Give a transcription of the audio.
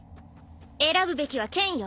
選ぶべきは剣よ。